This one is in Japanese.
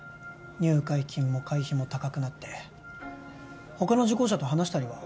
入会金も会費も高くなって他の受講者と話したりは？